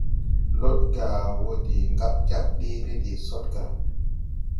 Lodgà wɔ de ŋgaɓ jag ɗeere de Sɔdgà.